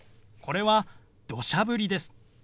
これは「どしゃ降り」です。